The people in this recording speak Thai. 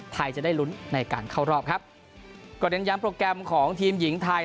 ไทยจะได้ลุ้นในการเข้ารอบครับก็เน้นย้ำโปรแกรมของทีมหญิงไทย